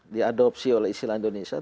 diadopsi oleh istilah indonesia